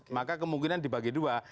maka kemungkinan dibagi dua